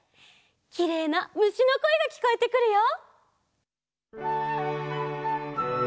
きれいなむしのこえがきこえてくるよ。